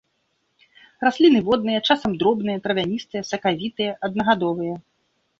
Расліны водныя, часам дробныя, травяністыя, сакавітыя, аднагадовыя.